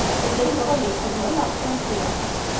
Yella yebɣa ad yeqqel d ameṛkanti.